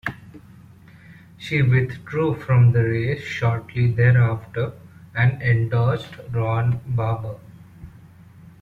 She withdrew from the race shortly thereafter and endorsed Ron Barber.